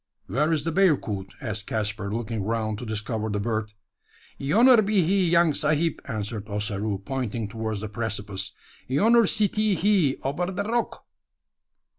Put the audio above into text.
"Where is the bearcoot?" asked Caspar, looking around to discover the bird. "Yonner be he, young sahib," answered Ossaroo, pointing towards the precipice; "yonner sitee he ober da rock."